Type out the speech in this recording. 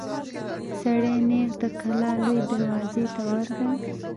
سړی نېغ د کلا لويي دروازې ته ورغی.